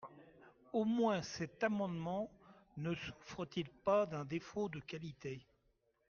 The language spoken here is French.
Au moins cet amendement ne souffre-t-il pas d’un « défaut de qualité ».